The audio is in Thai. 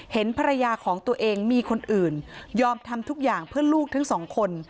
เห็นภรรยาของตัวเองมีคนอื่นยอมทำทุกอย่างเพื่อลูกทั้งสองคน